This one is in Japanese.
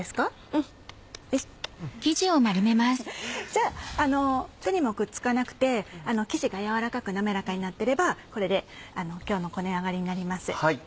じゃあ手にもくっつかなくて生地がやわらかく滑らかになってればこれで今日のこね上がりになります。